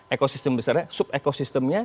ekosistem ekosistemnya juga berjalan dengan baik